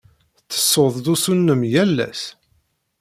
Tettessud-d usu-nnem yal ass?